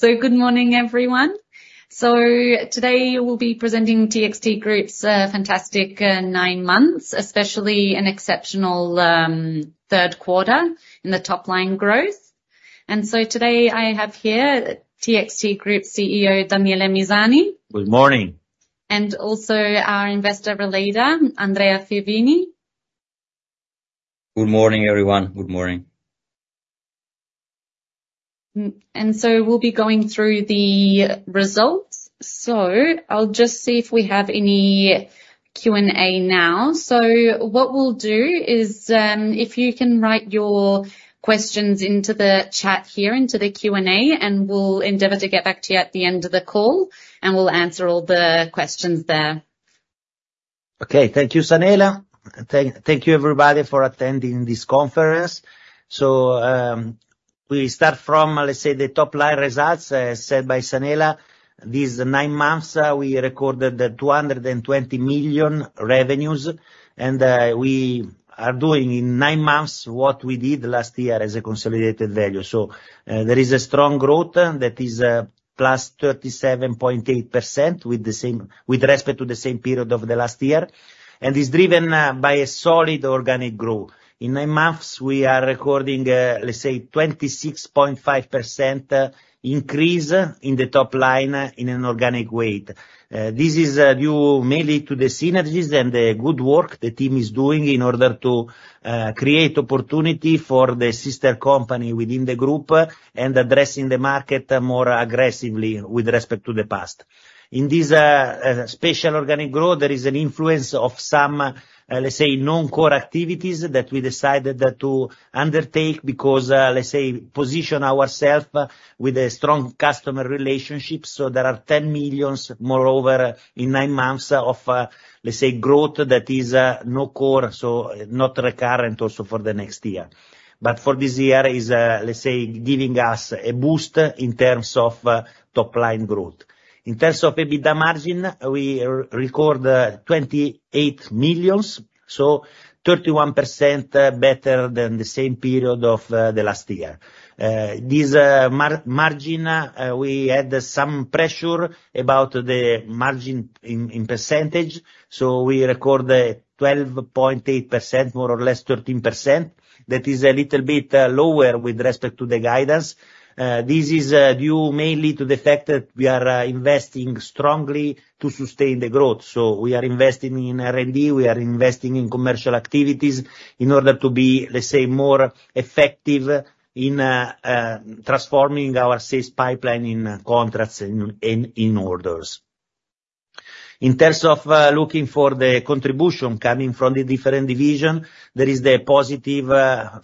Good morning, everyone. Today we'll be presenting TXT Group's fantastic nine months, especially an exceptional third quarter in the top-line growth. Today I have here TXT Group CEO, Daniele Misani. Good morning. Also our investor leader, Andrea Favini. Good morning, everyone. Good morning. And so we'll be going through the results. So I'll just see if we have any Q&A now. So what we'll do is if you can write your questions into the chat here, into the Q&A, and we'll endeavor to get back to you at the end of the call, and we'll answer all the questions there. Okay. Thank you, Sanela. Thank you, everybody, for attending this conference. So we start from, let's say, the top-line results set by Sanela. These nine months, we recorded 220 million revenues, and we are doing in nine months what we did last year as a consolidated value. So there is a strong growth that is plus 37.8% with respect to the same period of the last year, and it's driven by a solid organic growth. In nine months, we are recording, let's say, 26.5% increase in the top-line in an organic weight. This is due mainly to the synergies and the good work the team is doing in order to create opportunity for the sister company within the group and addressing the market more aggressively with respect to the past. In this special organic growth, there is an influence of some, let's say, non-core activities that we decided to undertake because, let's say, position ourselves with a strong customer relationship. So there are 10 million, moreover, in nine months of, let's say, growth that is non-core, so not recurrent also for the next year. But for this year, it's, let's say, giving us a boost in terms of top-line growth. In terms of EBITDA margin, we record 28 million, so 31% better than the same period of the last year. This margin, we had some pressure about the margin in percentage, so we record 12.8%, more or less 13%. That is a little bit lower with respect to the guidance. This is due mainly to the fact that we are investing strongly to sustain the growth. So we are investing in R&D. We are investing in commercial activities in order to be, let's say, more effective in transforming our sales pipeline in contracts and in orders. In terms of looking for the contribution coming from the different divisions, there is the positive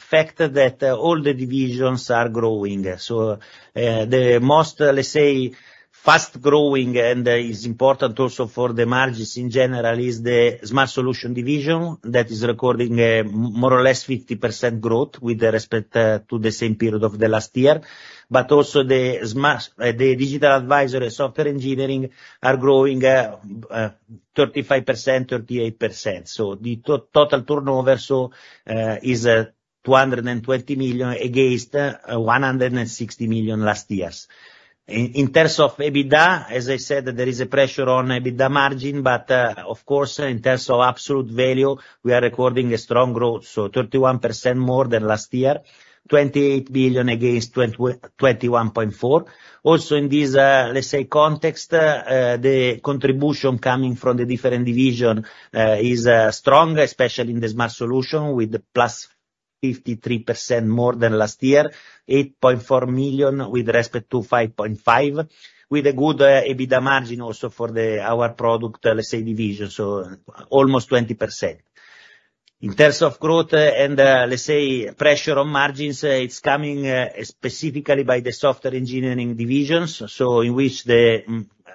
fact that all the divisions are growing. So the most, let's say, fast growing, and it's important also for the margins in general, is the Smart Solutions division that is recording more or less 50% growth with respect to the same period of the last year. But also the Digital Advisory, Software Engineering are growing 35%, 38%. So the total turnover is 220 million against 160 million last year. In terms of EBITDA, as I said, there is a pressure on EBITDA margin, but of course, in terms of absolute value, we are recording a strong growth, so 31% more than last year, 28 million EUR against 21.4 million EUR. Also in this, let's say, context, the contribution coming from the different divisions is strong, especially in the Smart Solutions with plus 53% more than last year, 8.4 million EUR with respect to 5.5 million EUR, with a good EBITDA margin also for our product, let's say, division, so almost 20%. In terms of growth and, let's say, pressure on margins, it's coming specifically by the Software Engineering divisions, so in which the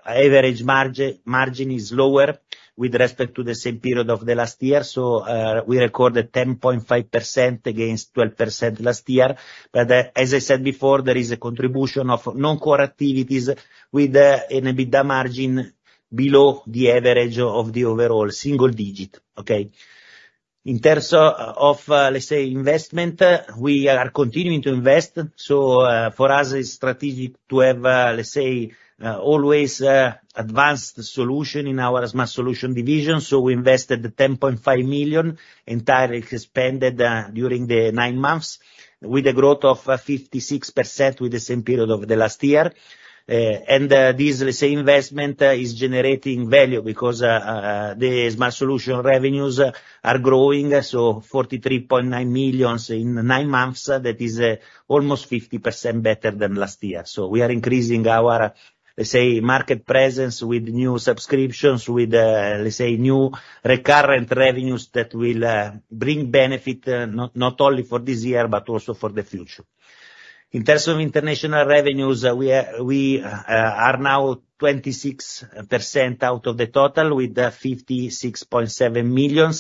average margin is lower with respect to the same period of the last year. So we recorded 10.5% against 12% last year. But as I said before, there is a contribution of non-core activities with an EBITDA margin below the average of the overall, single digit. Okay. In terms of, let's say, investment, we are continuing to invest. So for us, it's strategic to have, let's say, always advanced solution in our Smart Solutions division. So we invested 10.5 million entirely expanded during the nine months with a growth of 56% with the same period of the last year. And this, let's say, investment is generating value because the Smart Solutions revenues are growing, so 43.9 million in nine months. That is almost 50% better than last year. So we are increasing our, let's say, market presence with new subscriptions, with, let's say, new recurrent revenues that will bring benefit not only for this year but also for the future. In terms of international revenues, we are now 26% out of the total with 56.7 million.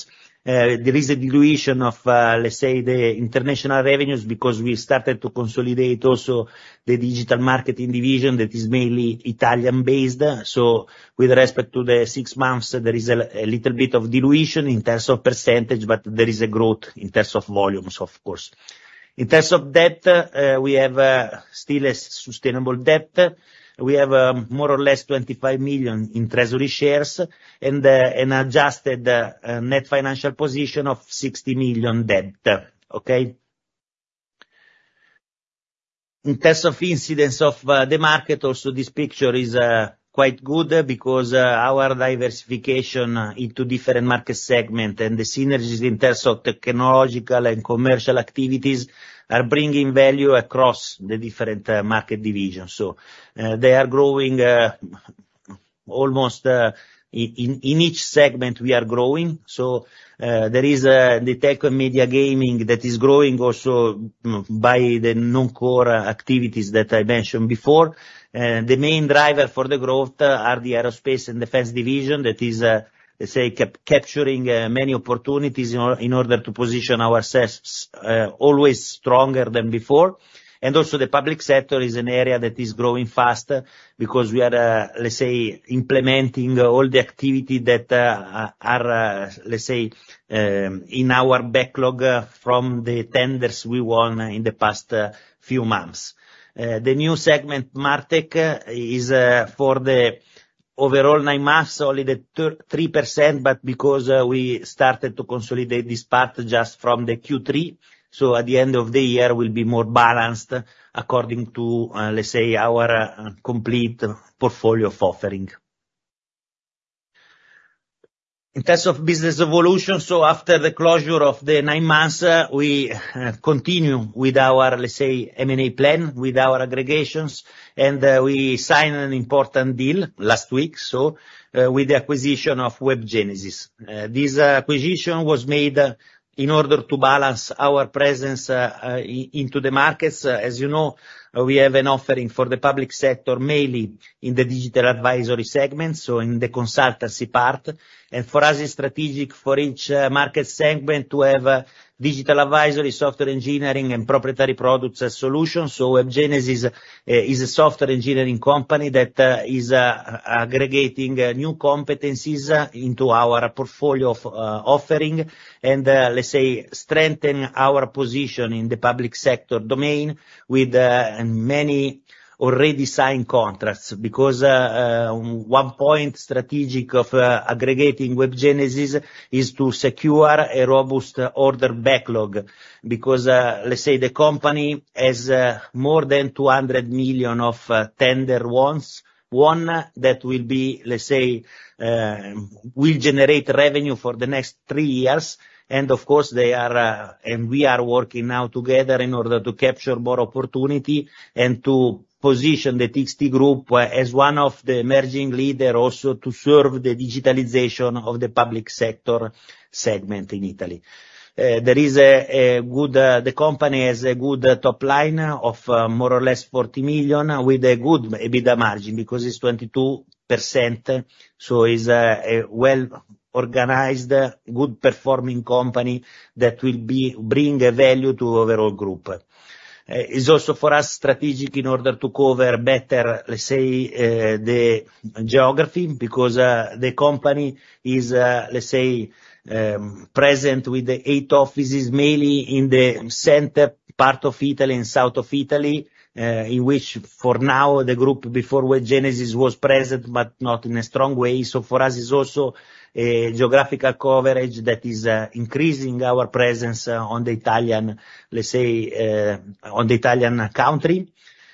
There is a dilution of, let's say, the international revenues because we started to consolidate also the digital marketing division that is mainly Italian-based, so with respect to the six months, there is a little bit of dilution in terms of percentage, but there is a growth in terms of volumes, of course. In terms of debt, we have still a sustainable debt. We have more or less 25 million in treasury shares and an adjusted net financial position of 60 million debt. Okay. In terms of incidence of the market, also this picture is quite good because our diversification into different market segments and the synergies in terms of technological and commercial activities are bringing value across the different market divisions, so they are growing almost in each segment we are growing. So there is the Telco and Media, Gaming that is growing also by the non-core activities that I mentioned before. The main driver for the growth are the Aerospace and Defense division that is, let's say, capturing many opportunities in order to position ourselves always stronger than before, and also the Public Sector is an area that is growing fast because we are, let's say, implementing all the activity that are, let's say, in our backlog from the tenders we won in the past few months. The new segment, MarTech, is for the overall nine months only 3%, but because we started to consolidate this part just from the Q3, so at the end of the year, we'll be more balanced according to, let's say, our complete portfolio of offering. In terms of business evolution, so after the closure of the nine months, we continue with our, let's say, M&A plan with our aggregations, and we signed an important deal last week, so with the acquisition of WebGenesys. This acquisition was made in order to balance our presence into the markets. As you know, we have an offering for the Public Sector mainly in the Digital Advisory segment, so in the consultancy part. And for us, it's strategic for each market segment to have Digital Advisory Software Engineering and proprietary products solutions. So WebGenesys is a software engineering company that is aggregating new competencies into our portfolio of offering and, let's say, strengthen our position in the Public Sector domain with many already signed contracts. Because one strategic point of aggregating WebGenesys is to secure a robust order backlog because, let's say, the company has more than 200 million of tenders won that will be, let's say, will generate revenue for the next three years. Of course, they are and we are working now together in order to capture more opportunity and to position the TXT Group as one of the emerging leaders also to serve the digitalization of the Public Sector segment in Italy. The company has a good top line of more or less 40 million with a good EBITDA margin because it's 22%. It's a well-organized, good-performing company that will bring value to the overall group. It's also for us strategic in order to cover better, let's say, the geography because the company is, let's say, present with the eight offices mainly in the center part of Italy and south of Italy, in which for now the group before WebGenesys was present but not in a strong way. So for us, it's also a geographical coverage that is increasing our presence on the Italian, let's say, on the Italian country.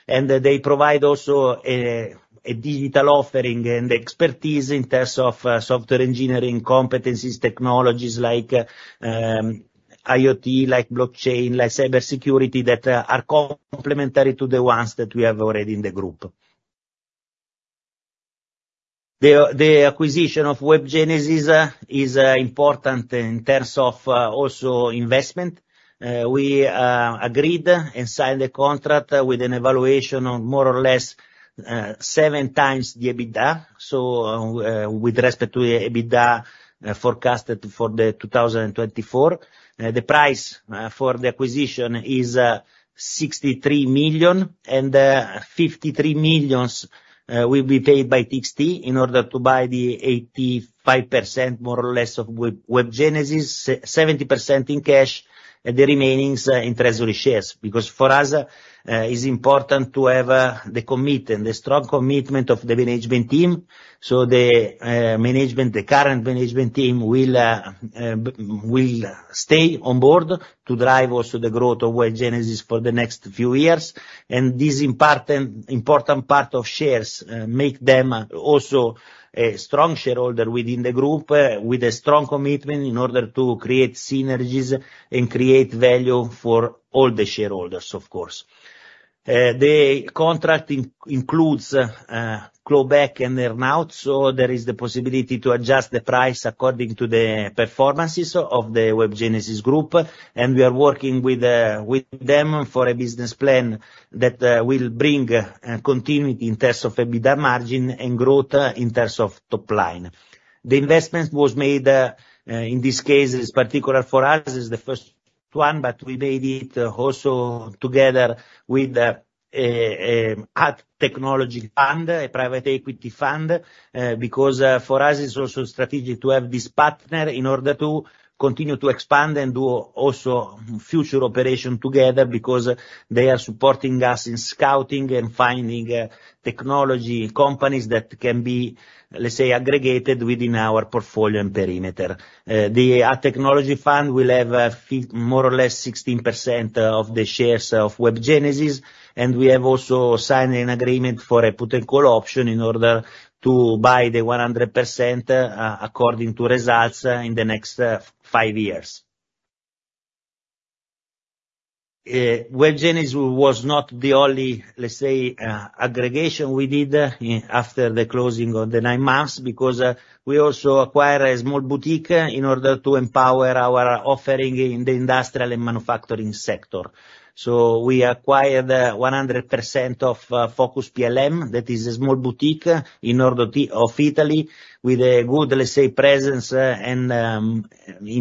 And they provide also a digital offering and expertise in terms of software engineering competencies, technologies like IoT, like blockchain, like cybersecurity that are complementary to the ones that we have already in the group. The acquisition of WebGenesys is important in terms of also investment. We agreed and signed a contract with a valuation of more or less seven times the EBITDA. With respect to the EBITDA forecasted for 2024, the price for the acquisition is 63 million, and 53 million will be paid by TXT in order to buy the 85% more or less of WebGenesys, 70% in cash, and the remaining in treasury shares. Because for us, it's important to have the commitment, the strong commitment of the management team. So the management, the current management team will stay on board to drive also the growth of WebGenesys for the next few years. And this important part of shares makes them also a strong shareholder within the group with a strong commitment in order to create synergies and create value for all the shareholders, of course. The contract includes clawback and earn-out, so there is the possibility to adjust the price according to the performances of the WebGenesys Group. We are working with them for a business plan that will bring continuity in terms of EBITDA margin and growth in terms of top line. The investment was made in this case, it's particular for us, it's the first one, but we made it also together with a technology fund, a private equity fund, because for us, it's also strategic to have this partner in order to continue to expand and do also future operation together because they are supporting us in scouting and finding technology companies that can be, let's say, aggregated within our portfolio and perimeter. The technology fund will have more or less 16% of the shares of WebGenesys, and we have also signed an agreement for a put and call option in order to buy the 100% according to results in the next five years. WebGenesys was not the only, let's say, aggregation we did after the closing of the nine months because we also acquired a small boutique in order to empower our offering in the industrial and manufacturing sector. So we acquired 100% of Focus PLM, that is a small boutique in Italy with a good, let's say, presence in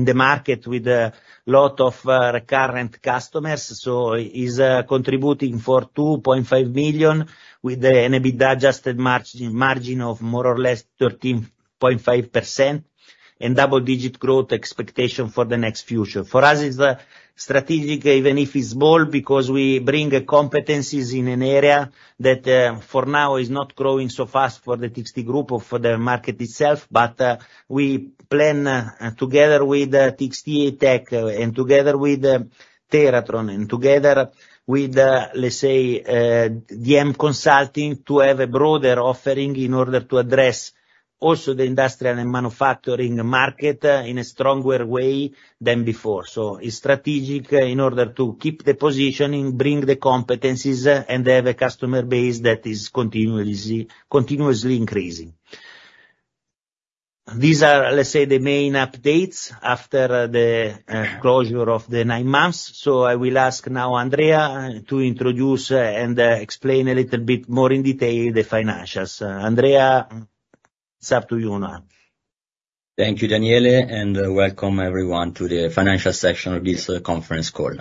the market with a lot of recurrent customers. So it's contributing for 2.5 million with an EBITDA adjusted margin of more or less 13.5% and double-digit growth expectation for the next future. For us, it's strategic even if it's small because we bring competencies in an area that for now is not growing so fast for the TXT Group or for the market itself, but we plan together with TXT Tech and together with TeraTron and together with, let's say, DM Consulting to have a broader offering in order to address also the industrial and manufacturing market in a stronger way than before. So it's strategic in order to keep the positioning, bring the competencies, and have a customer base that is continuously increasing. These are, let's say, the main updates after the closure of the nine months. So I will ask now Andrea to introduce and explain a little bit more in detail the financials. Andrea, it's up to you now. Thank you, Daniele, and welcome everyone to the financial section of this conference call.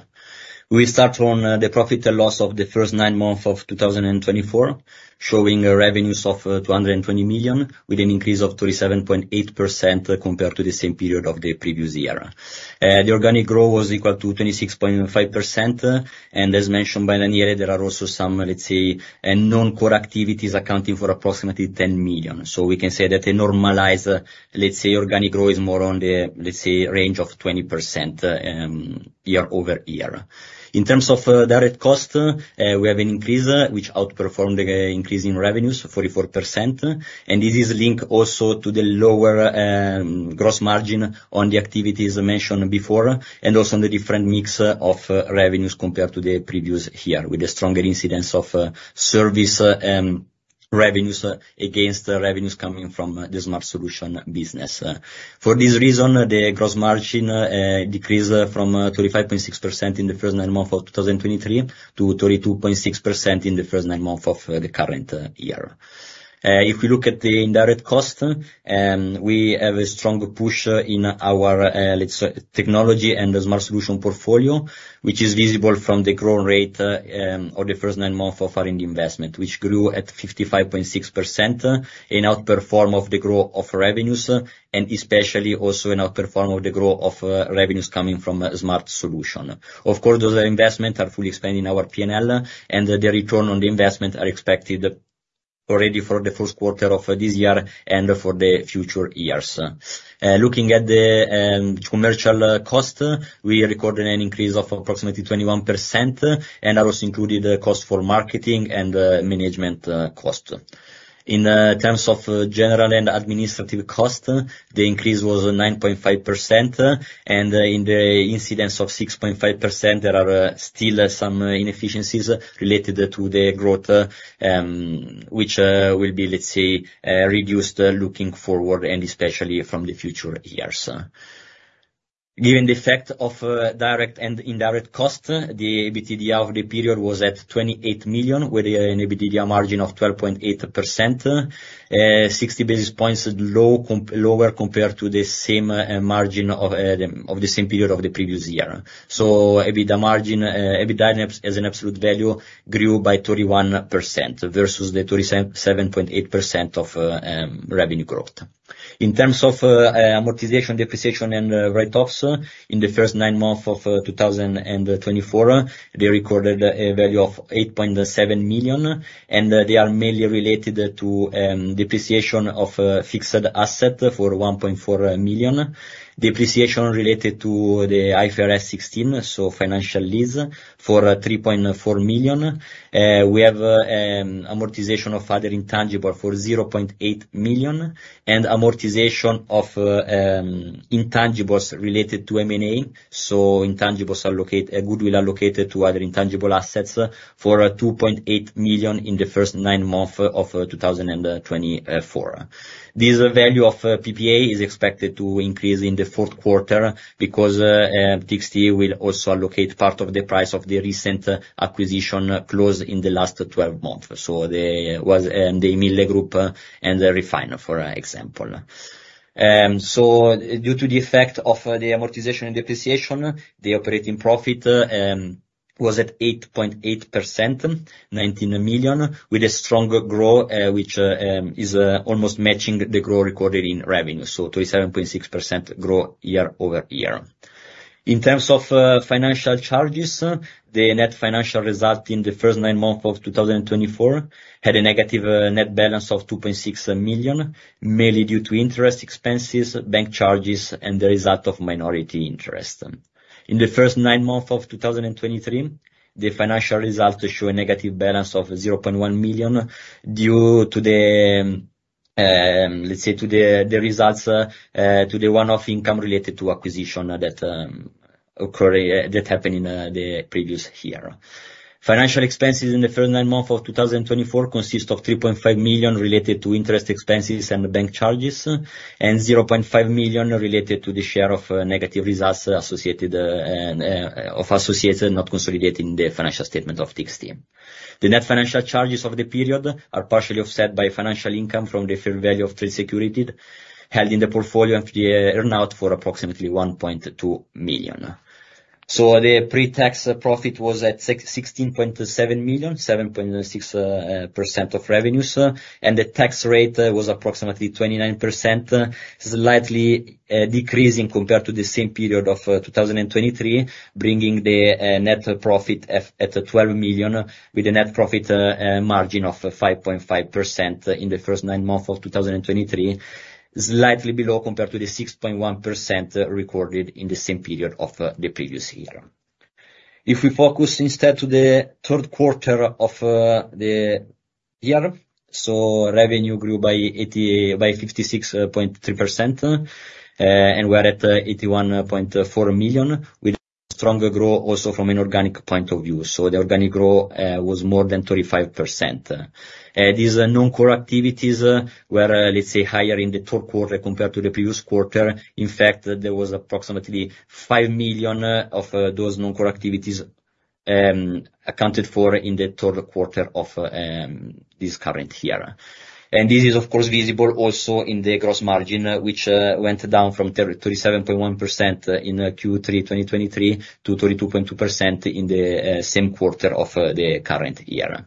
We start on the profit and loss of the first nine months of 2024, showing revenues of 220 million with an increase of 37.8% compared to the same period of the previous year. The organic growth was equal to 26.5%, and as mentioned by Daniele, there are also some, let's say, non-core activities accounting for approximately 10 million, so we can say that a normalized, let's say, organic growth is more on the, let's say, range of 20% year over year. In terms of direct cost, we have an increase which outperformed the increase in revenues, 44%, and this is linked also to the lower gross margin on the activities mentioned before and also on the different mix of revenues compared to the previous year with a stronger incidence of service revenues against revenues coming from the Smart Solutions business. For this reason, the gross margin decreased from 35.6% in the first nine months of 2023 to 32.6% in the first nine months of the current year. If we look at the indirect cost, we have a strong push in our, let's say, technology and the Smart Solutions portfolio, which is visible from the growth rate of the first nine months of our investment, which grew at 55.6% in outperform of the growth of revenues and especially also in outperform of the growth of revenues coming from Smart Solutions. Of course, those investments are fully expanding our P&L, and the return on the investment is expected already for the first quarter of this year and for the future years. Looking at the commercial cost, we recorded an increase of approximately 21%, and that also included the cost for marketing and management cost. In terms of general and administrative cost, the increase was 9.5%, and in the incidence of 6.5%, there are still some inefficiencies related to the growth, which will be, let's say, reduced looking forward and especially from the future years. Given the fact of direct and indirect cost, the EBITDA of the period was at 28 million with an EBITDA margin of 12.8%, 60 basis points lower compared to the same margin of the same period of the previous year. So EBITDA margin, EBITDA as an absolute value, grew by 31% versus the 37.8% of revenue growth. In terms of amortization, depreciation, and write-offs, in the first nine months of 2024, they recorded a value of 8.7 million, and they are mainly related to depreciation of fixed asset for 1.4 million, depreciation related to the IFRS 16, so financial lease, for 3.4 million. We have amortization of other intangibles for 0.8 million and amortization of intangibles related to M&A. So intangibles related to goodwill allocated to other intangible assets for 2.8 million in the first nine months of 2024. This value of PPA is expected to increase in the fourth quarter because TXT will also allocate part of the price of the recent acquisitions closed in the last 12 months. So there was Imille and Refine Direct for example. So due to the effect of the amortization and depreciation, the operating profit was at 8.8%, 19 million, with a strong growth which is almost matching the growth recorded in revenue, so 37.6% growth year over year. In terms of financial charges, the net financial result in the first nine months of 2024 had a negative net balance of 2.6 million, mainly due to interest expenses, bank charges, and the result of minority interest. In the first nine months of 2023, the financial result showed a negative balance of 0.1 million due to, let's say, the one-off income related to acquisition that happened in the previous year. Financial expenses in the first nine months of 2024 consist of 3.5 million related to interest expenses and bank charges and 0.5 million related to the share of negative results associated with not consolidating the financial statement of TXT. The net financial charges of the period are partially offset by financial income from the fair value of trade securities held in the portfolio and the earn-out for approximately 1.2 million. So the pre-tax profit was at 16.7 million, 7.6% of revenues, and the tax rate was approximately 29%, slightly decreasing compared to the same period of 2023, bringing the net profit at 12 million with a net profit margin of 5.5% in the first nine months of 2023, slightly below compared to the 6.1% recorded in the same period of the previous year. If we focus instead to the third quarter of the year, so revenue grew by 56.3% and we are at 81.4 million with a stronger growth also from an organic point of view. So the organic growth was more than 35%. These non-core activities were, let's say, higher in the third quarter compared to the previous quarter. In fact, there was approximately 5 million of those non-core activities accounted for in the third quarter of this current year. And this is, of course, visible also in the gross margin, which went down from 37.1% in Q3 2023 to 32.2% in the same quarter of the current year.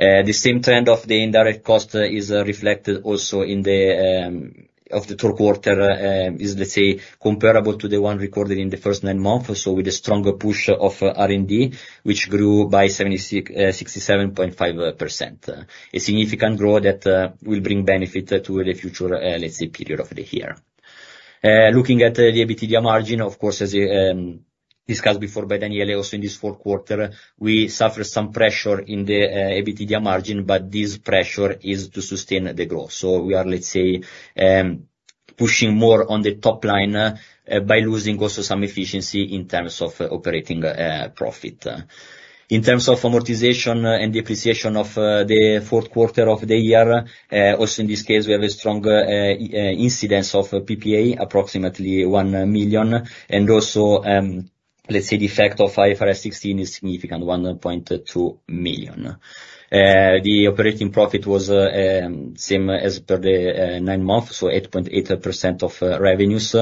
The same trend of the indirect cost is reflected also in the third quarter, let's say, comparable to the one recorded in the first nine months, so with a stronger push of R&D, which grew by 67.5%. A significant growth that will bring benefit to the future, let's say, period of the year. Looking at the EBITDA margin, of course, as discussed before by Daniele, also in this fourth quarter, we suffered some pressure in the EBITDA margin, but this pressure is to sustain the growth. So we are, let's say, pushing more on the top line by losing also some efficiency in terms of operating profit. In terms of amortization and depreciation of the fourth quarter of the year, also in this case, we have a strong incidence of PPA, approximately 1 million, and also, let's say, the effect of IFRS 16 is significant, 1.2 million. The operating profit was same as per the nine months, so 8.8% of revenues.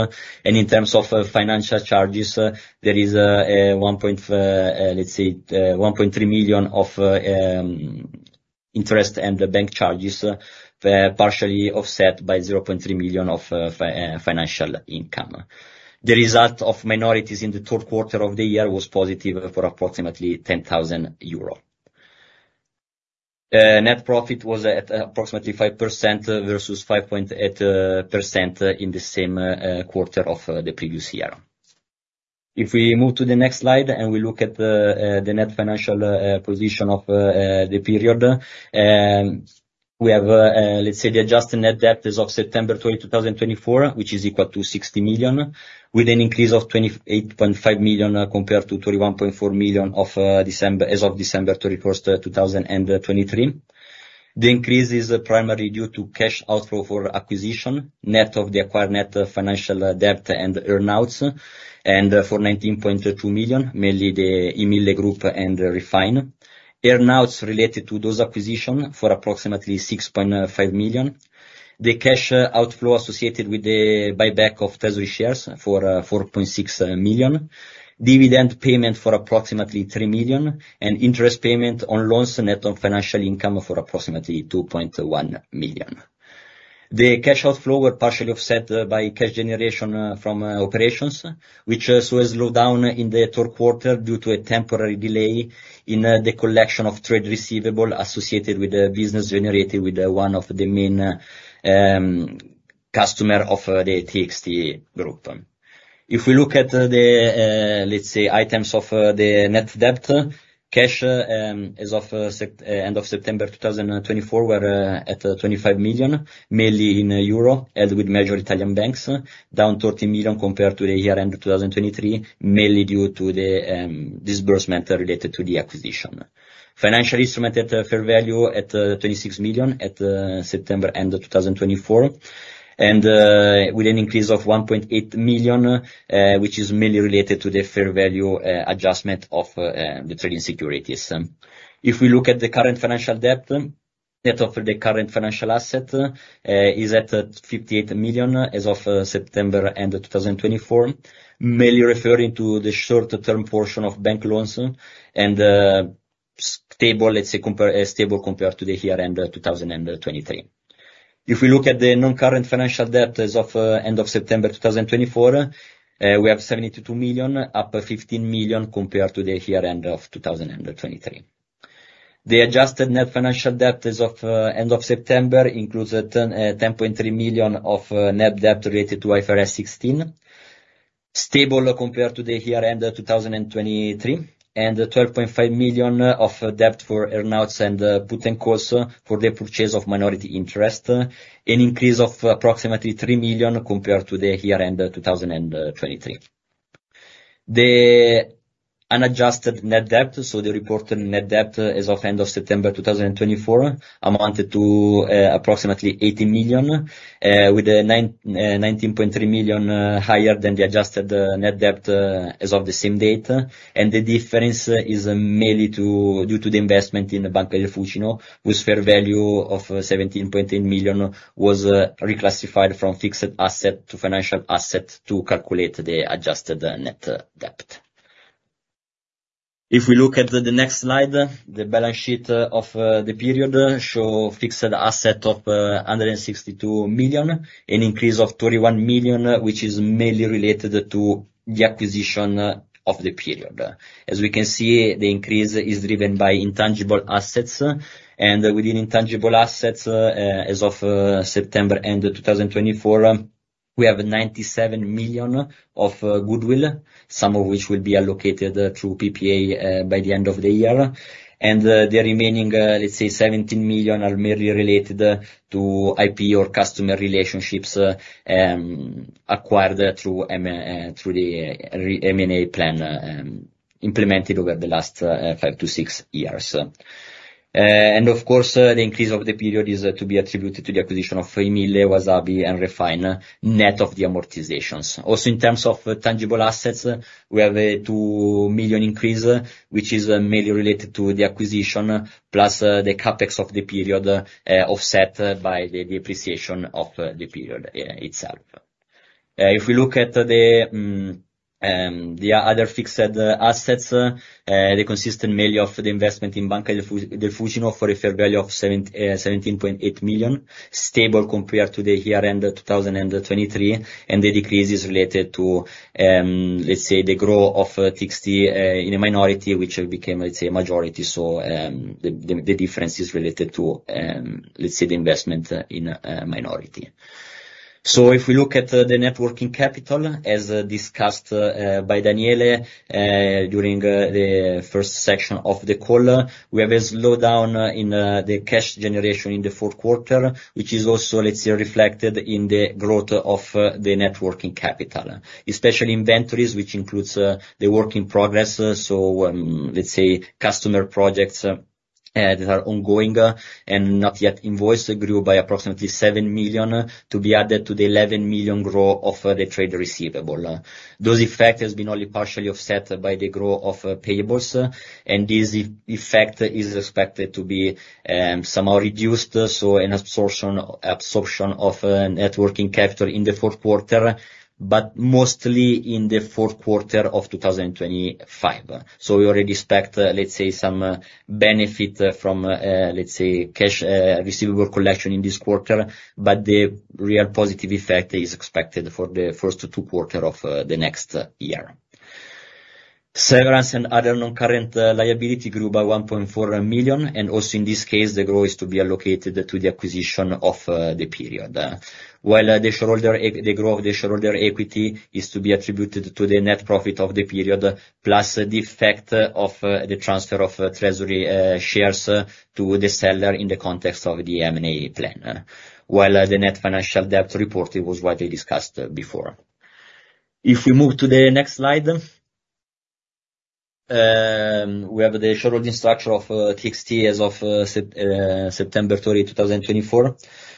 In terms of financial charges, there is a 1.3 million of interest and bank charges partially offset by 0.3 million of financial income. The result of minorities in the third quarter of the year was positive for approximately 10,000 euro. Net profit was at approximately 5% versus 5.8% in the same quarter of the previous year. If we move to the next slide and we look at the net financial position of the period, we have, let's say, the adjusted net debt as of September 2024, which is equal to 60 million, with an increase of 28.5 million compared to 31.4 million as of December 31st, 2023. The increase is primarily due to cash outflow for acquisition, net of the acquired net financial debt and earn-outs, and for 19.2 million, mainly the Imille and Refine Direct. Earn-outs related to those acquisitions for approximately 6.5 million. The cash outflow associated with the buyback of Treasury shares for 4.6 million. Dividend payment for approximately 3 million, and interest payment on loans net on financial income for approximately 2.1 million. The cash outflow was partially offset by cash generation from operations, which also slowed down in the third quarter due to a temporary delay in the collection of trade receivable associated with the business generated with one of the main customers of the TXT Group. If we look at the, let's say, items of the net debt, cash as of end of September 2024 were at 25 million, mainly in euro, held with major Italian banks, down 30 million compared to the year-end 2023, mainly due to the disbursement related to the acquisition. Financial instrument at fair value at 26 million at September end of 2024, and with an increase of 1.8 million, which is mainly related to the fair value adjustment of the trading securities. If we look at the current financial debt, net of the current financial asset, is at 58 million as of end of September 2024, mainly referring to the short-term portion of bank loans and stable, let's say, compared to the year-end 2023. If we look at the non-current financial debt as of end of September 2024, we have 72 million, up 15 million compared to the year-end of 2023. The adjusted net financial debt as of end of September includes 10.3 million of net debt related to IFRS 16, stable compared to the year-end 2023, and 12.5 million of debt for earn-outs and put-and-call options for the purchase of minority interest, an increase of approximately 3 million compared to the year-end 2023. The unadjusted net debt, so the reported net debt as of end of September 2024, amounted to approximately 18 million, with 19.3 million higher than the adjusted net debt as of the same date. The difference is mainly due to the investment in the Banca del Fucino, whose fair value of 17.8 million was reclassified from fixed asset to financial asset to calculate the adjusted net debt. If we look at the next slide, the balance sheet of the period shows fixed asset of 162 million, an increase of 31 million, which is mainly related to the acquisition of the period. As we can see, the increase is driven by intangible assets. Within intangible assets, as of September end 2024, we have 97 million of goodwill, some of which will be allocated through PPA by the end of the year. The remaining, let's say, 17 million are mainly related to IP or customer relationships acquired through the M&A plan implemented over the last five to six years. Of course, the increase of the period is to be attributed to the acquisition of Imille, Uasabi, and Refine, net of the amortizations. Also, in terms of tangible assets, we have a 2 million increase, which is mainly related to the acquisition, plus the CapEx of the period offset by the depreciation of the period itself. If we look at the other fixed assets, they consist mainly of the investment in Banca del Fucino for a fair value of 17.8 million, stable compared to the year-end 2023. The decrease is related to, let's say, the growth of TXT in a minority, which became, let's say, a majority. The difference is related to, let's say, the investment in minority. If we look at the net working capital, as discussed by Daniele during the first section of the call, we have a slowdown in the cash generation in the fourth quarter, which is also, let's say, reflected in the growth of the net working capital, especially inventories, which includes the work in progress. Let's say, customer projects that are ongoing and not yet invoiced grew by approximately 7 million to be added to the 11 million growth of the trade receivable. Those effects have been only partially offset by the growth of payables. This effect is expected to be somehow reduced, so an absorption of net working capital in the fourth quarter, but mostly in the fourth quarter of 2025. So we already expect, let's say, some benefit from, let's say, cash receivable collection in this quarter, but the real positive effect is expected for the first two quarters of the next year. Severance and other non-current liability grew by 1.4 million, and also in this case, the growth is to be allocated to the acquisition of the period. While the growth of the shareholder equity is to be attributed to the net profit of the period, plus the effect of the transfer of Treasury shares to the seller in the context of the M&A plan, while the net financial debt report was widely discussed before. If we move to the next slide, we have the shareholding structure of TXT as of September 30, 2024,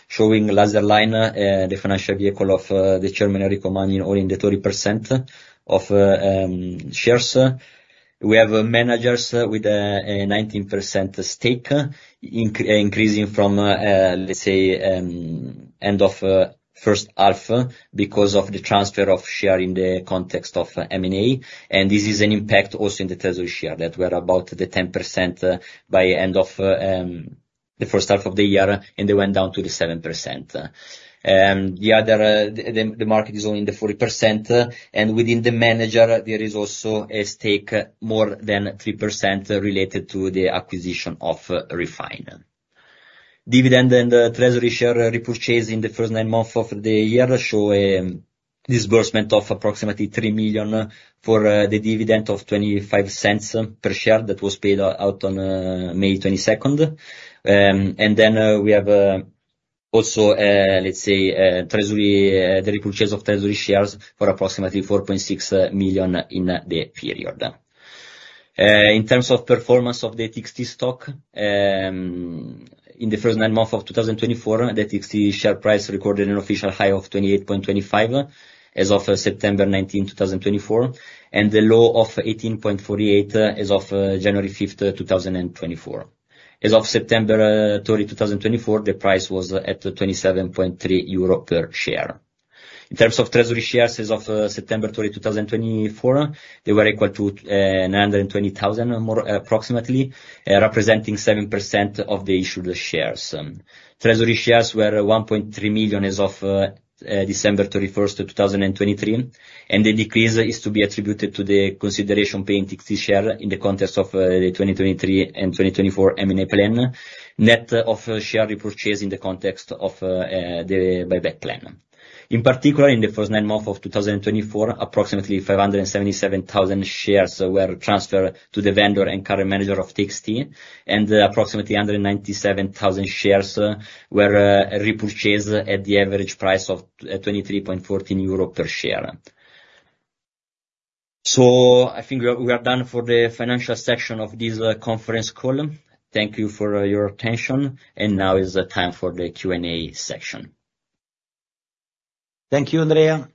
showing Laserline, the financial vehicle of the Chairman and Enrico Magni, holding 30% of the shares. We have managers with a 19% stake, increasing from, let's say, end of first half because of the transfer of share in the context of M&A. This is an impact also in the Treasury shares that were about the 10% by end of the first half of the year, and they went down to the 7%. The market is only in the 40%, and within the managers, there is also a stake more than 3% related to the acquisition of Refine. Dividend and Treasury shares repurchase in the first nine months of the year show a disbursement of approximately 3 million for the dividend of 0.25 per share that was paid out on May 22nd. Then we have also, let's say, the repurchase of Treasury shares for approximately 4.6 million in the period. In terms of performance of the TXT stock, in the first nine months of 2024, the TXT share price recorded an official high of 28.25 as of September 19, 2024, and the low of 18.48 as of January 5, 2024. As of September 30, 2024, the price was at 27.3 euro per share. In terms of Treasury shares as of September 30, 2024, they were equal to 920,000 approximately, representing 7% of the issued shares. Treasury shares were 1.3 million as of December 31, 2023, and the decrease is to be attributed to the consideration paid in TXT share in the context of the 2023 and 2024 M&A plan, net of share repurchase in the context of the buyback plan. In particular, in the first nine months of 2024, approximately 577,000 shares were transferred to the vendor and current manager of TXT, and approximately 197,000 shares were repurchased at the average price of 23.14 euro per share. So I think we are done for the financial section of this conference call. Thank you for your attention, and now is the time for the Q&A section. Thank you, Andrea.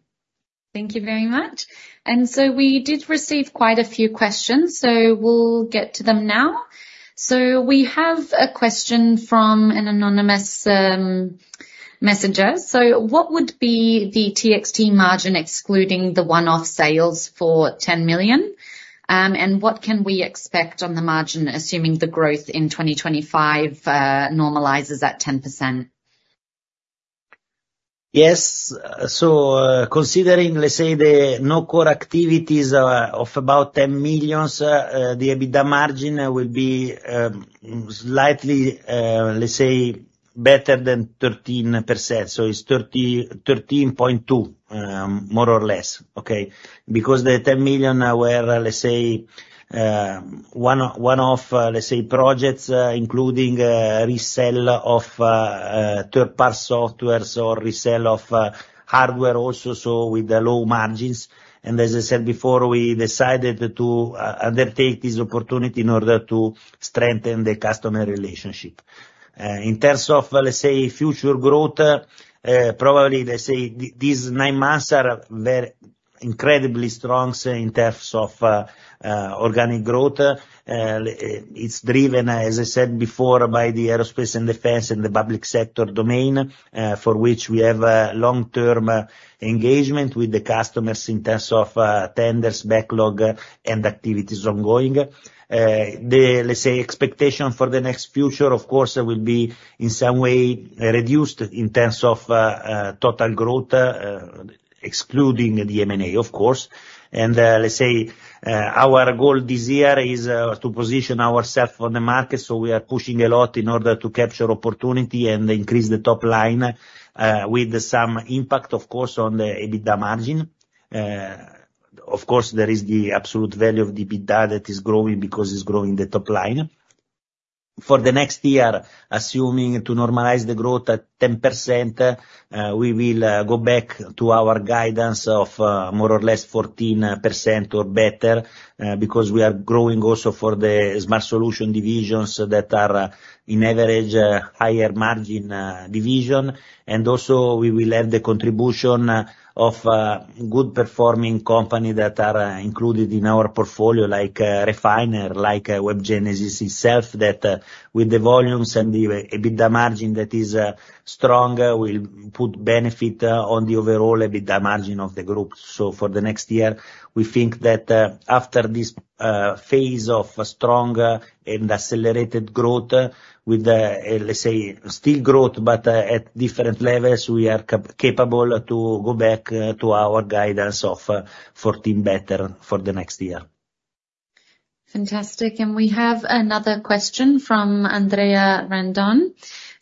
Thank you very much. And so we did receive quite a few questions, so we'll get to them now. So we have a question from an anonymous messenger. So what would be the TXT margin excluding the one-off sales for 10 million? And what can we expect on the margin assuming the growth in 2025 normalizes at 10%? Yes. So considering, let's say, the non-core activities of about 10 million, the EBITDA margin will be slightly, let's say, better than 13%. It's 13.2, more or less, okay? Because the 10 million were, let's say, one-off, let's say, projects, including resale of third-party software or resale of hardware also, so with the low margins. As I said before, we decided to undertake this opportunity in order to strengthen the customer relationship. In terms of, let's say, future growth, probably, let's say, these nine months are incredibly strong in terms of organic growth. It's driven, as I said before, by the Aerospace and Defense and the Public Sector domain, for which we have long-term engagement with the customers in terms of tenders, backlog, and activities ongoing. The, let's say, expectation for the next future, of course, will be in some way reduced in terms of total growth, excluding the M&A, of course. Let's say our goal this year is to position ourselves for the market. So we are pushing a lot in order to capture opportunity and increase the top line with some impact, of course, on the EBITDA margin. Of course, there is the absolute value of the EBITDA that is growing because it's growing the top line. For the next year, assuming to normalize the growth at 10%, we will go back to our guidance of more or less 14% or better because we are growing also for the Smart Solutions divisions that are in average higher margin division. And also, we will have the contribution of good-performing companies that are included in our portfolio, like Refine, like WebGenesys itself, that with the volumes and the EBITDA margin that is strong, will put benefit on the overall EBITDA margin of the group. So for the next year, we think that after this phase of strong and accelerated growth with, let's say, still growth, but at different levels, we are capable to go back to our guidance of 14% or better for the next year. Fantastic. And we have another question from Andrea Randone.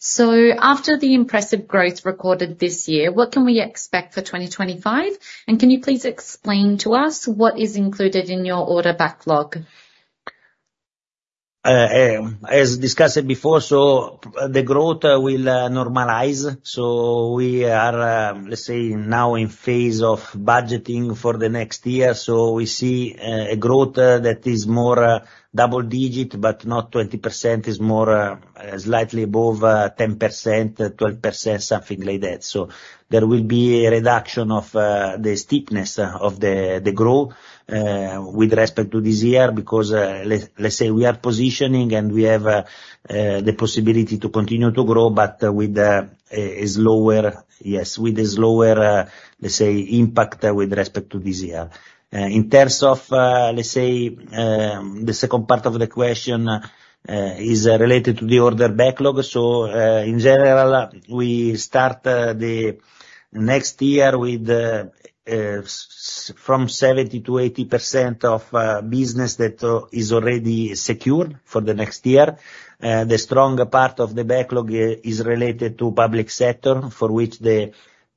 So after the impressive growth recorded this year, what can we expect for 2025? And can you please explain to us what is included in your order backlog? As discussed before, so the growth will normalize. So we are, let's say, now in phase of budgeting for the next year. So we see a growth that is more double-digit, but not 20% is more slightly above 10%, 12%, something like that. There will be a reduction of the steepness of the growth with respect to this year because, let's say, we are positioning and we have the possibility to continue to grow, but with a slower, yes, with a slower, let's say, impact with respect to this year. In terms of, let's say, the second part of the question is related to the order backlog. In general, we start the next year with from 70%-80% of business that is already secured for the next year. The stronger part of the backlog is related to Public Sector, for which the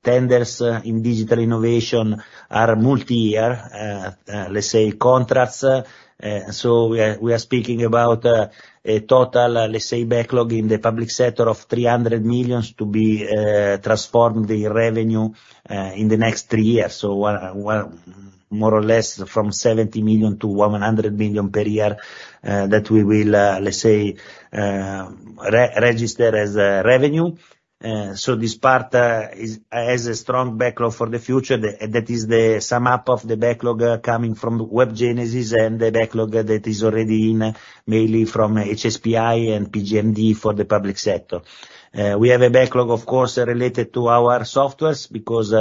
tenders in digital innovation are multi-year, let's say, contracts. We are speaking about a total, let's say, backlog in the Public Sector of 300 million to be transformed in revenue in the next three years. So more or less from 70 million to 100 million per year that we will, let's say, register as revenue. So this part has a strong backlog for the future. That is the sum up of the backlog coming from WebGenesys and the backlog that is already in mainly from HSPI and PGMD for the Public Sector. We have a backlog, of course, related to our software because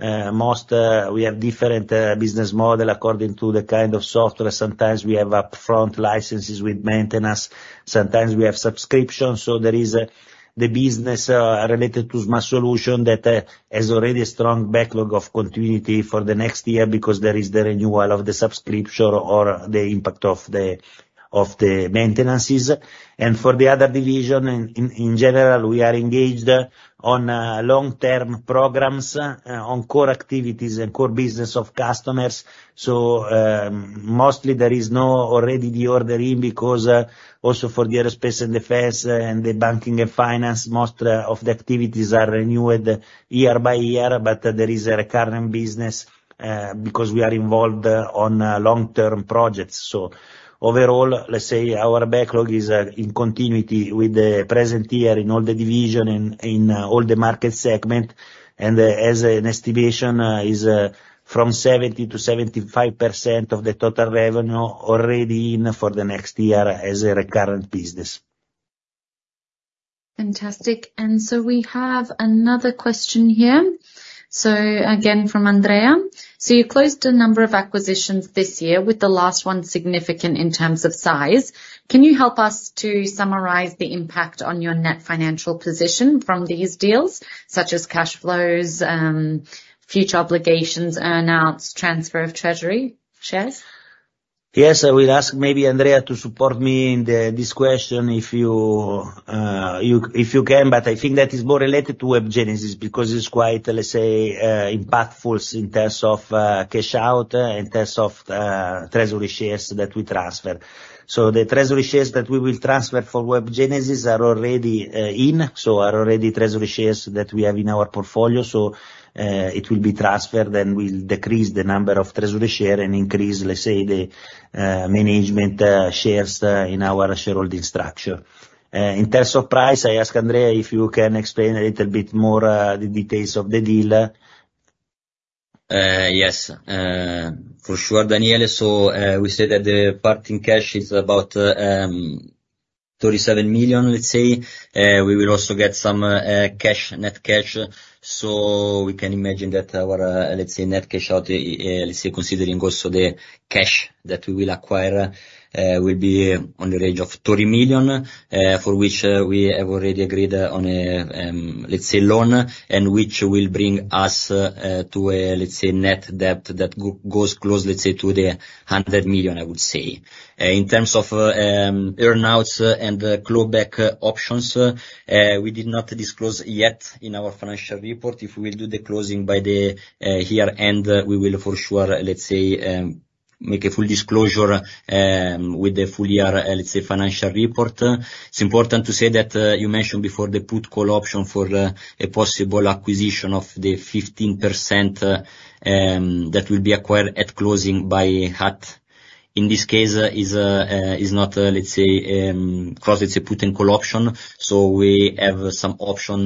most we have different business models according to the kind of software. Sometimes we have upfront licenses with maintenance. Sometimes we have subscriptions. So there is the business related to Smart Solutions that has already a strong backlog of continuity for the next year because there is the renewal of the subscription or the impact of the maintenances. And for the other division, in general, we are engaged on long-term programs, on core activities, and core business of customers. Mostly there is no already the order in because also for the Aerospace and Defense and the banking and finance, most of the activities are renewed year by year, but there is a recurring business because we are involved on long-term projects. Overall, let's say our backlog is in continuity with the present year in all the division and in all the market segment. As an estimation, it is from 70%-75% of the total revenue already in for the next year as a recurrent business. Fantastic. We have another question here. Again from Andrea. You closed a number of acquisitions this year, with the last one significant in terms of size. Can you help us to summarize the impact on your net financial position from these deals, such as cash flows, future obligations, earnouts, transfer of Treasury Shares? Yes. I will ask maybe Andrea to support me in this question if you can, but I think that is more related to WebGenesys because it's quite, let's say, impactful in terms of cash out, in terms of Treasury shares that we transfer. So the Treasury shares that we will transfer for WebGenesys are already in, so are already Treasury shares that we have in our portfolio. So it will be transferred and will decrease the number of Treasury shares and increase, let's say, the management shares in our shareholding structure. In terms of price, I asked Andrea if you can explain a little bit more the details of the deal. Yes, for sure, Daniele. So we said that the part in cash is about 37 million EUR, let's say. We will also get some cash, net cash. We can imagine that our, let's say, net cash out, let's say, considering also the cash that we will acquire, will be on the range of 30 million, for which we have already agreed on a, let's say, loan and which will bring us to a, let's say, net debt that goes close, let's say, to 100 million, I would say. In terms of earnouts and clawback options, we did not disclose yet in our financial report. If we will do the closing by the year end, we will for sure, let's say, make a full disclosure with the full year, let's say, financial report. It's important to say that you mentioned before the put call option for a possible acquisition of the 15% that will be acquired at closing by HAT. In this case, it is not, let's say, closed as a put and call option. We have some option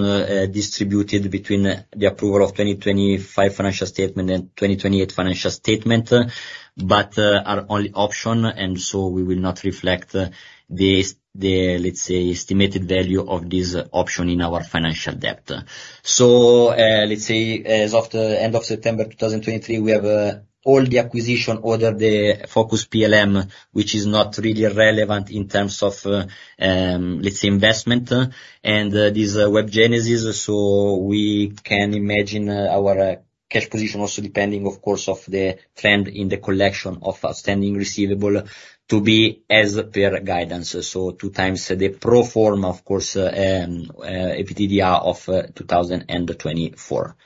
distributed between the approval of 2025 financial statements and 2028 financial statements, but are only option. And so we will not reflect the, let's say, estimated value of this option in our financial debt. Let's say as of the end of September 2023, we have all the acquisitions ordered, the Focus PLM, which is not really relevant in terms of, let's say, investment and this WebGenesys. We can imagine our cash position also depending, of course, on the trend in the collection of outstanding receivables to be as per guidance. Two times the pro forma EBITDA of 2024.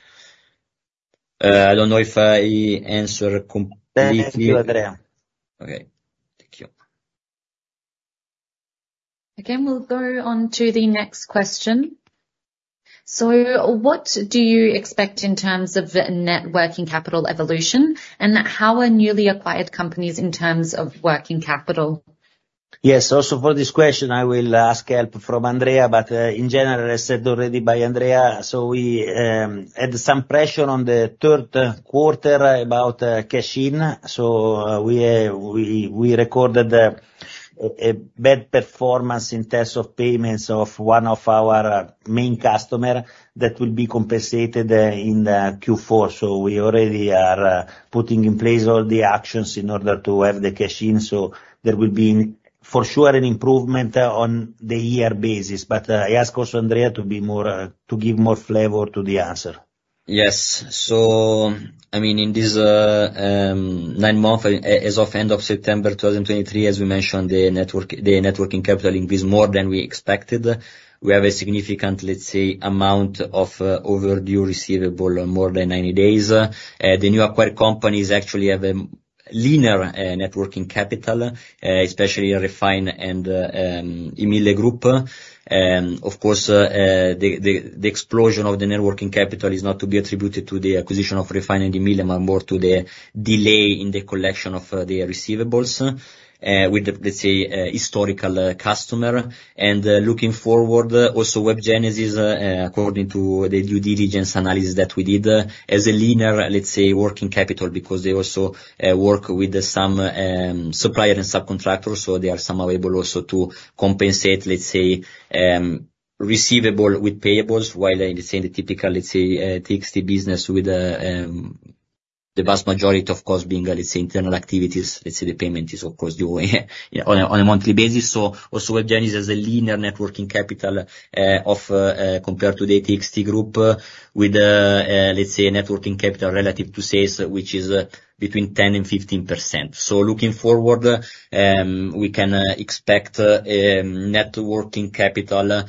I don't know if I answered completely. Thank you, Andrea. Okay. Thank you. Again, we'll go on to the next question. So what do you expect in terms of net working capital evolution, and how are newly acquired companies in terms of working capital? Yes. Also for this question, I will ask help from Andrea, but in general, as said already by Andrea, so we had some pressure on the third quarter about cash in. So we recorded a bad performance in terms of payments of one of our main customers that will be compensated in Q4. So we already are putting in place all the actions in order to have the cash in. So there will be for sure an improvement on the year basis. But I ask also Andrea to give more flavor to the answer. Yes. So I mean, in this nine months, as of end of September 2023, as we mentioned, the net working capital increased more than we expected. We have a significant, let's say, amount of overdue receivable, more than 90 days. The new acquired companies actually have a leaner working capital, especially Refine and Imille. Of course, the explosion of the working capital is not to be attributed to the acquisition of Refine and Imille, but more to the delay in the collection of the receivables with the, let's say, historical customer. And looking forward, also WebGenesys, according to the due diligence analysis that we did, has a leaner, let's say, working capital because they also work with some suppliers and subcontractors. So they are somehow able also to compensate, let's say, receivable with payables, while in, let's say, the typical, let's say, TXT business with the vast majority of costs being, let's say, internal activities. Let's say the payment is, of course, due on a monthly basis. WebGenesys also has leaner net working capital compared to the TXT Group with, let's say, net working capital relative to sales, which is between 10%-15%. Looking forward, we can expect net working capital,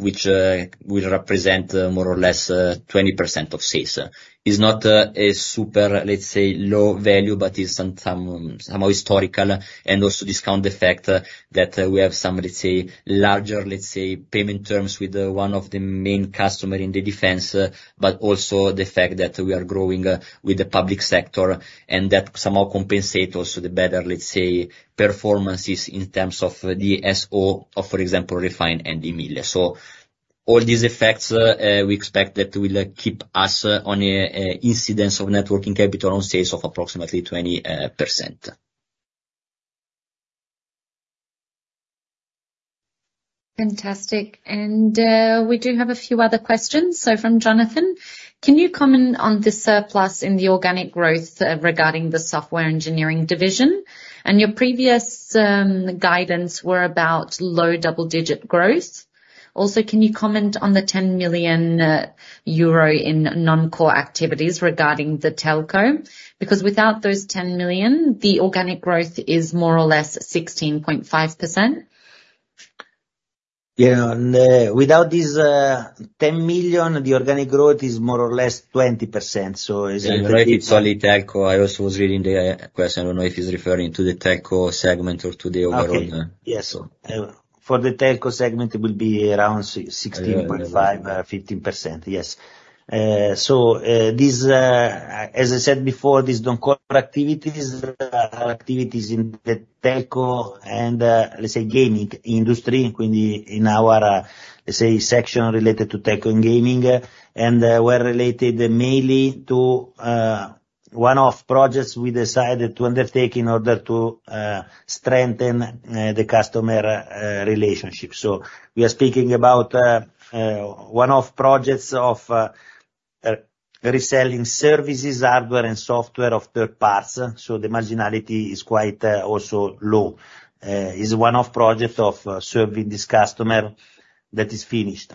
which will represent more or less 20% of sales. It's not a super, let's say, low value, but it's somehow historical and also discount effect that we have some, let's say, larger, let's say, payment terms with one of the main customers in the defense, but also the fact that we are growing with the Public Sector and that somehow compensate also the better, let's say, performances in terms of the SO of, for example, Refine and Imille. So all these effects, we expect that will keep us on an incidence of net working capital on sales of approximately 20%. Fantastic. And we do have a few other questions. From Jonathan, can you comment on the surplus in the organic growth regarding the software engineering division? And your previous guidance were about low double-digit growth. Also, can you comment on the 10 million euro in non-core activities regarding the telco? Because without those 10 million EUR, the organic growth is more or less 16.5%. Yeah. Without this 10 million EUR, the organic growth is more or less 20%. So it's a relatively tight call. I also was reading the question. I don't know if he's referring to the telco segment or to the overall. Yes. For the telco segment, it will be around 16.5%-15%. Yes. So this, as I said before, these non-core activities are activities in the telco and, let's say, gaming industry, in our, let's say, section related to telco and gaming. We're related mainly to one of the projects we decided to undertake in order to strengthen the customer relationship. We are speaking about one of the projects of reselling services, hardware, and software of third parts. The marginality is quite also low. It's one of the projects of serving this customer that is finished.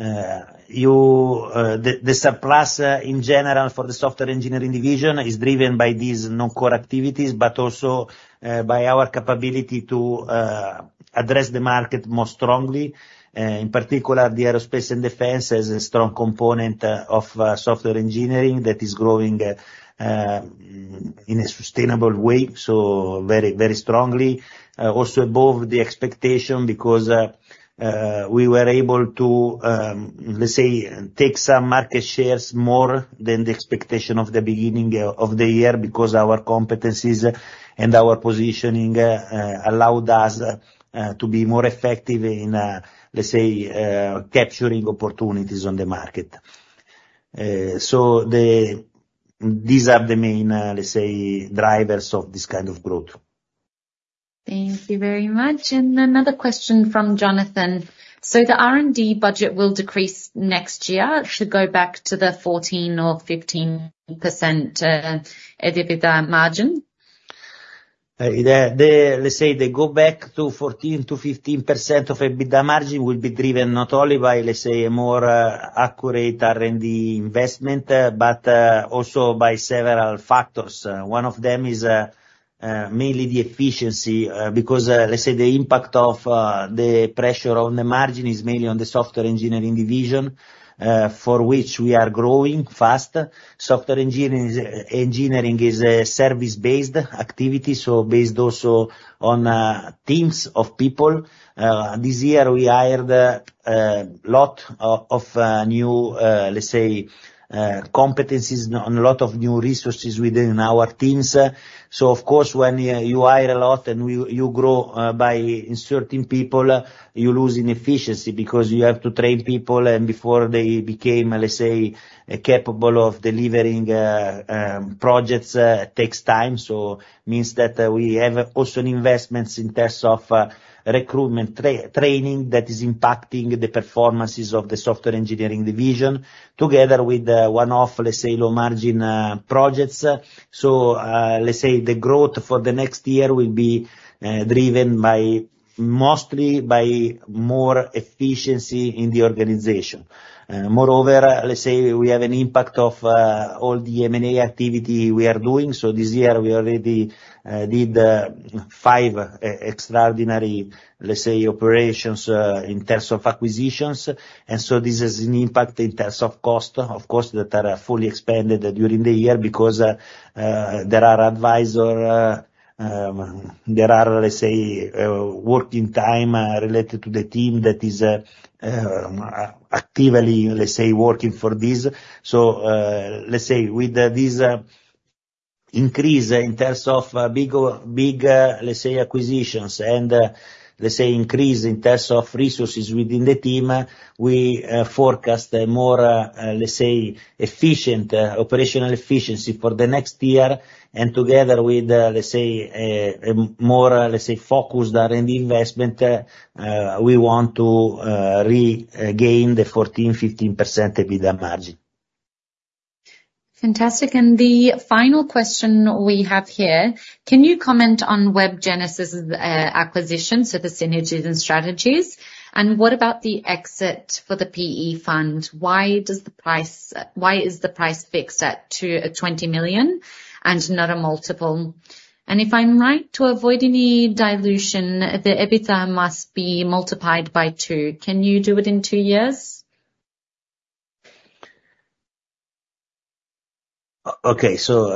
Okay. The surplus in general for the software engineering division is driven by these non-core activities, but also by our capability to address the market more strongly. In particular, the Aerospace and Defense has a strong component of software engineering that is growing in a sustainable way, so very strongly. Also above the expectation because we were able to, let's say, take some market shares more than the expectation of the beginning of the year because our competencies and our positioning allowed us to be more effective in, let's say, capturing opportunities on the market. So these are the main, let's say, drivers of this kind of growth. Thank you very much, and another question from Jonathan. So the R&D budget will decrease next year to go back to the 14% or 15% EBITDA margin. Let's say the go back to 14% to 15% of EBITDA margin will be driven not only by, let's say, a more accurate R&D investment, but also by several factors. One of them is mainly the efficiency because, let's say, the impact of the pressure on the margin is mainly on the Software Engineering division, for which we are growing fast. Software Engineering is a service-based activity, so based also on teams of people. This year, we hired a lot of new, let's say, competencies and a lot of new resources within our teams. So, of course, when you hire a lot and you grow by inserting people, you lose in efficiency because you have to train people. And before they became, let's say, capable of delivering projects, it takes time. So it means that we have also investments in terms of recruitment training that is impacting the performances of the Software Engineering division together with one of, let's say, low-margin projects. So, let's say, the growth for the next year will be driven mostly by more efficiency in the organization. Moreover, let's say, we have an impact of all the M&A activity we are doing. So this year, we already did five extraordinary, let's say, operations in terms of acquisitions. And so this is an impact in terms of cost, of course, that are fully expanded during the year because there are advisors, there are, let's say, working time related to the team that is actively, let's say, working for this. So, let's say, with this increase in terms of big, let's say, acquisitions and, let's say, increase in terms of resources within the team, we forecast a more, let's say, efficient operational efficiency for the next year. And together with, let's say, a more, let's say, focused R&D investment, we want to regain the 14%-15% EBITDA margin. Fantastic. And the final question we have here, can you comment on WebGenesys acquisition, so the synergies and strategies? And what about the exit for the PE fund? Why is the price fixed at 20 million and not a multiple? And if I'm right, to avoid any dilution, the EBITDA must be multiplied by two. Can you do it in two years? Okay. So,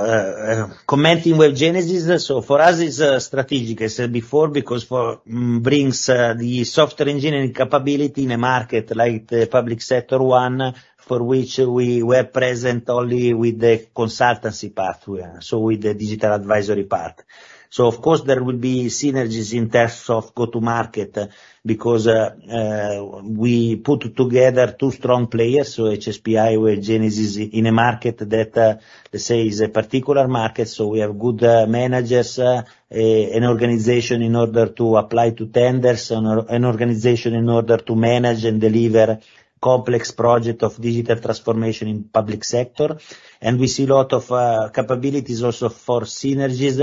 commenting WebGenesys, so for us, it's strategic, as I said before, because it brings the software engineering capability in a market like the Public Sector one, for which we were present only with the consultancy pathway, so with the Digital Advisory part. So, of course, there will be synergies in terms of go-to-market because we put together two strong players, so HSPI, WebGenesys in a market that, let's say, is a particular market. So we have good managers and organization in order to apply to tenders and organization in order to manage and deliver complex projects of digital transformation in Public Sector. And we see a lot of capabilities also for synergies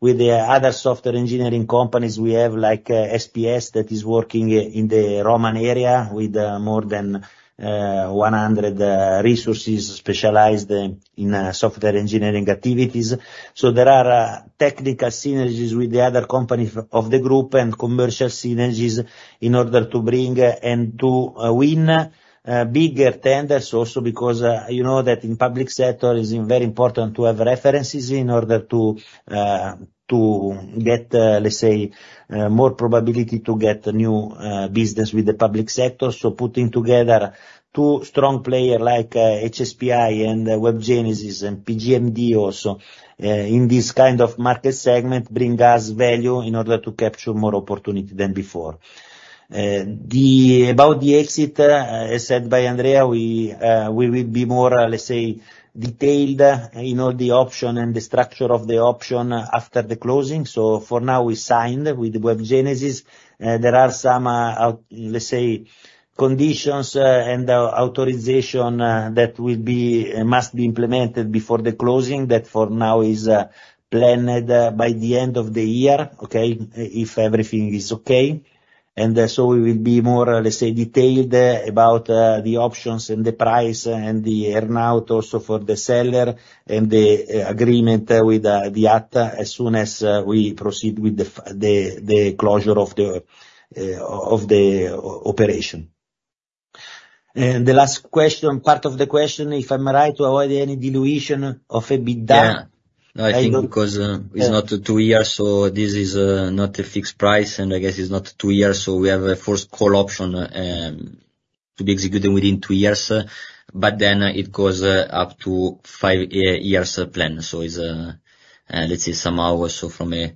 with the other software engineering companies. We have like SPS that is working in the Roman area with more than 100 resources specialized in software engineering activities. So there are technical synergies with the other companies of the group and commercial synergies in order to bring and to win bigger tenders also because you know that in Public Sector, it's very important to have references in order to get, let's say, more probability to get new business with the Public Sector. So putting together two strong players like HSPI and WebGenesys and PGMD also in this kind of market segment brings us value in order to capture more opportunity than before. About the exit, as said by Andrea, we will be more, let's say, detailed in all the options and the structure of the option after the closing. So for now, we signed with WebGenesys. There are some, let's say, conditions and authorization that must be implemented before the closing that for now is planned by the end of the year, okay, if everything is okay. And so we will be more, let's say, detailed about the options and the price and the earnout also for the seller and the agreement with the HAT as soon as we proceed with the closure of the operation. And the last part of the question, if I'm right, to avoid any dilution of EBITDA? Yeah. No, I think because it's not two years, so this is not a fixed price. And I guess it's not two years, so we have a forced call option to be executed within two years. But then it goes up to five-year plan. So it's, let's say, somehow also from a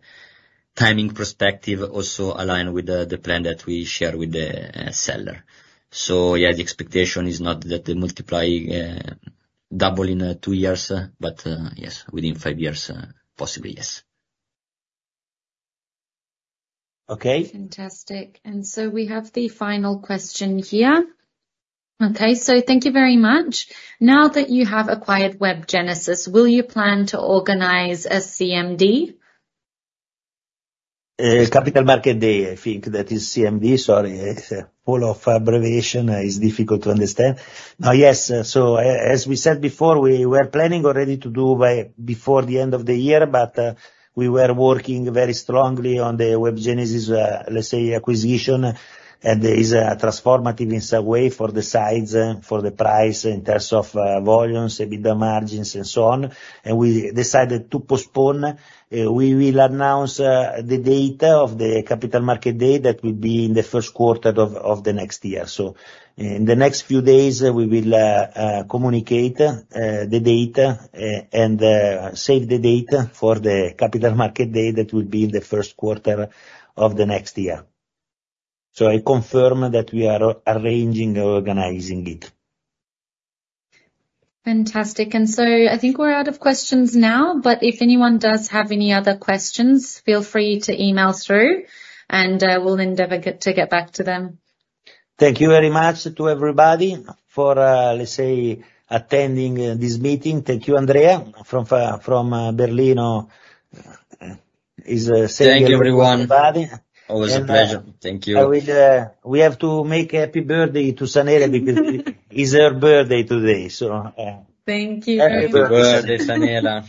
timing perspective also aligned with the plan that we share with the seller. So yeah, the expectation is not that the multiple double in two years, but yes, within five years, possibly, yes. Okay. Fantastic. And so we have the final question here. Okay. So thank you very much. Now that you have acquired WebGenesys, will you plan to organize a CMD? Capital Markets Day, I think that is CMD. Sorry, it's full of abbreviation. It's difficult to understand. Now, yes. So as we said before, we were planning already to do before the end of the year, but we were working very strongly on the WebGenesys, let's say, acquisition. And it's transformative in some way for the size, for the price in terms of volumes, EBITDA margins, and so on. And we decided to postpone. We will announce the date of the Capital Market Day that will be in the first quarter of the next year. So in the next few days, we will communicate the date and save the date for the Capital Market Day that will be in the first quarter of the next year. So I confirm that we are arranging and organizing it. Fantastic. And so I think we're out of questions now, but if anyone does have any other questions, feel free to email through, and we'll endeavor to get back to them. Thank you very much to everybody for, let's say, attending this meeting. Thank you, Andrea. From Berlin, he's a senior member of everybody. Thank you, everyone. Always a pleasure. Thank you. We have to make happy birthday to Sanela because it's her birthday today, so. Thank you. Happy birthday, Sanela.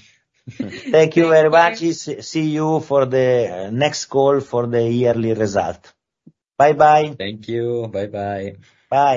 Thank you very much. See you for the next call for the yearly result. Bye-bye. Thank you. Bye-bye. Bye.